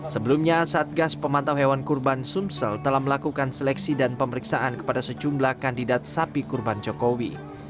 sebelumnya satgas pemantau hewan kurban sumsel telah melakukan seleksi dan pemeriksaan kepada sejumlah kandidat sapi kurban jokowi